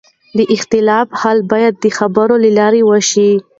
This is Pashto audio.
د اختلاف حل باید د خبرو له لارې وشي